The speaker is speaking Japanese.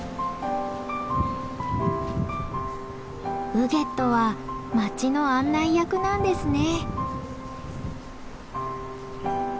ウゲットは町の案内役なんですね。